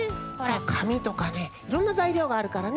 かみとかねいろんなざいりょうがあるからね。